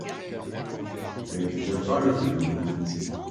Mais j'aime pas le fenouil.